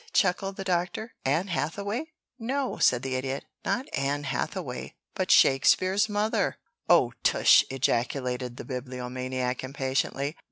chuckled the Doctor. "Anne Hathaway?" "No," said the Idiot. "Not Anne Hathaway, but Shakespeare's mother." "Oh, tush!" ejaculated the Bibliomaniac impatiently.